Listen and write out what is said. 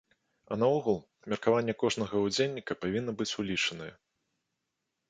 А наогул, меркаванне кожнага ўдзельніка павінна быць улічанае.